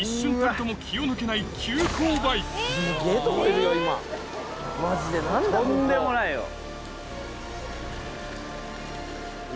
とんでもないよ。